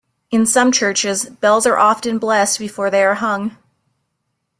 In some churches, bells are often blessed before they are hung.